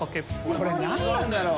これ何なんだろう？